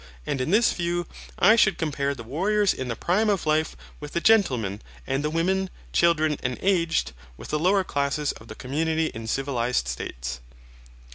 And in this view, I should compare the warriors in the prime of life with the gentlemen, and the women, children, and aged, with the lower classes of the community in civilized states.